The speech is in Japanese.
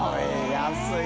安い。